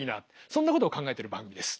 そんなことを考えてる番組です。